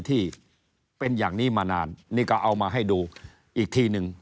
ที่เป็นอย่างนี้มานานนี่ก็เอามาให้ดูอีกทีหนึ่ง